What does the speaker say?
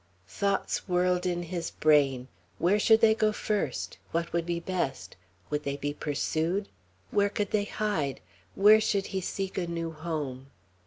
Thoughts whirled in his brain. Where should they go first? What would be best? Would they be pursued? Where could they hide? Where should he seek a new home?